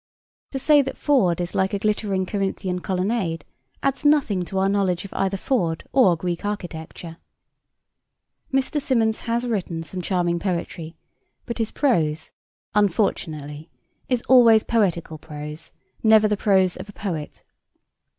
To say that Ford is like a glittering Corinthian colonnade adds nothing to our knowledge of either Ford or Greek architecture. Mr. Symonds has written some charming poetry, but his prose, unfortunately, is always poetical prose, never the prose of a poet.